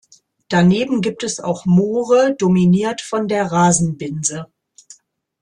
Daneben gibt es auch Moore dominiert von der Rasenbinse.